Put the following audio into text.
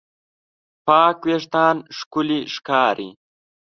پاک وېښتيان ښکلي ښکاري.